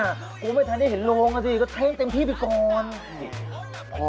กลัวไม่ได้เห็นโรงอะสิรู้สิท่านก็เช่นเต็มที่ไปก่อน